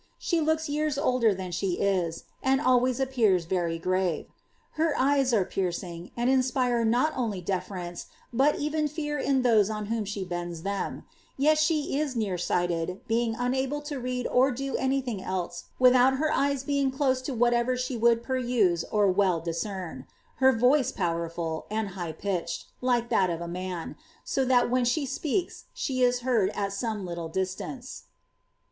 She looks years older than she is, and always appears very grave. Her eyes are piercing, and inspire not only deference, but even fear in those on whom she bends them; yet she is near sighted, being unable to read or do any thing else without her eyes being close to whatever she would peruse or well discern ; her voice powerful, and high pitched, like that of a man, so that when she speaks she is heard at some little distance.'